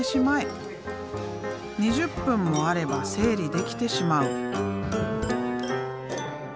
２０分もあれば整理できてしまう。